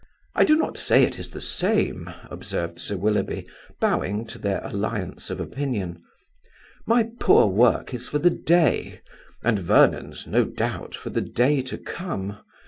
"I do not say it is the same," observed Sir Willoughby, bowing to their alliance of opinion. "My poor work is for the day, and Vernon's, no doubt, for the day to come.